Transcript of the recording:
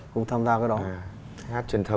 không tham gia cái đó